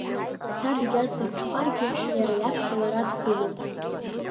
Саб егьа длырҽхәаргьы, иара иаԥхьа лара дгылон.